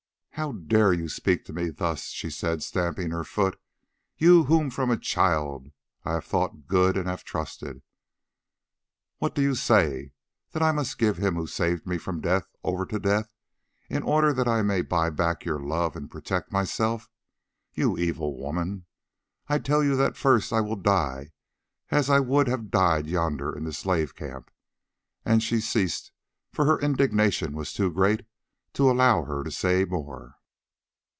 "How dare you speak to me thus?" she said, stamping her foot, "you whom from a child I have thought good and have trusted. What do you say? That I must give him who saved me from death over to death, in order that I may buy back your love and protect myself. You evil woman, I tell you that first I will die as I would have died yonder in the slave camp," and she ceased, for her indignation was too great to allow her to say more.